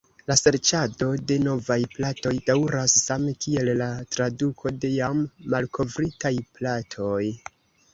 La serĉado de novaj platoj daŭras, same kiel la traduko de jam malkovritaj platoj.